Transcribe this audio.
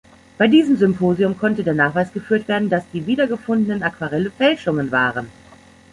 Bei diesem Symposium konnte der Nachweis geführt werden, dass die „wiedergefundenen“ Aquarelle Fälschungen waren.